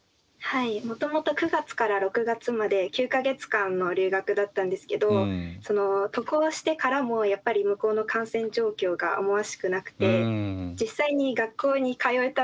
もともと９月から６月まで９か月間の留学だったんですけど渡航してからもやっぱり向こうの感染状況が思わしくなくて実際に学校に通えたのが１か月しかなくて。